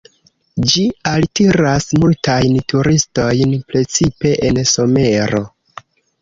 Ĝi altiras multajn turistojn, precipe en somero.